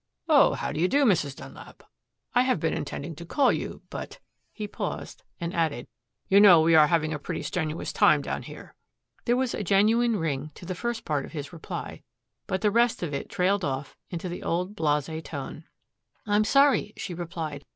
"Oh, how do you do, Mrs. Dunlap. I have been intending to call you up, but," he paused, and added, "you know we are having a pretty strenuous time down here." There was a genuine ring to the first part of his reply. But the rest of it trailed off into the old blase tone. "I'm sorry," she replied.